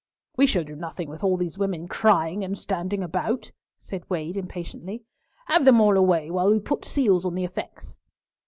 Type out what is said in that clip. "We shall do nothing with all these women crying and standing about," said Wade impatiently; "have them all away, while we put seals on the effects."